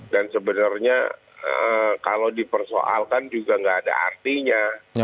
dan sebenarnya kalau dipersoalkan juga nggak ada artinya